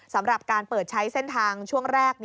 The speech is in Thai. สำหรับการเปิดใช้เส้นทางช่วงแรก